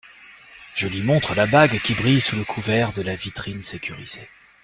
Je lui montre la bague qui brille sous le couvert de la vitrine sécurisée.